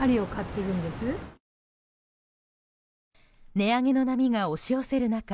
値上げの波が押し寄せる中